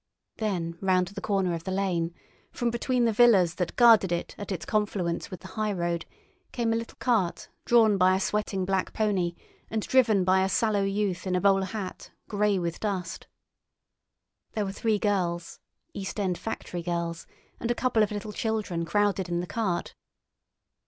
Then round the corner of the lane, from between the villas that guarded it at its confluence with the high road, came a little cart drawn by a sweating black pony and driven by a sallow youth in a bowler hat, grey with dust. There were three girls, East End factory girls, and a couple of little children crowded in the cart.